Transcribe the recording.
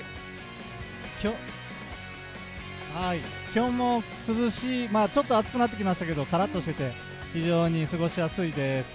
気温もちょっと暑くなってきましたけどからっとしていて、非常に過ごしやすいです。